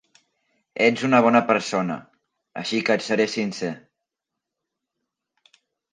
Ets una bona persona, així que et seré sincer.